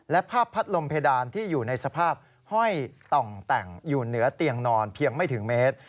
และภาพพัดลมเพดานที่อยู่ในสภาพห้อยต่องแต่งอยู่เหนือเตียงนอนเพียงไม่ถึงเมตร